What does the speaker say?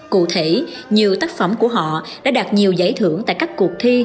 cụ thể nhiều tác phẩm của họ đã đạt nhiều giải thưởng tại các cuộc thi